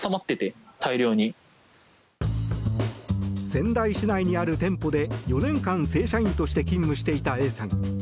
仙台市内にある店舗で４年間正社員として勤務していたＡさん。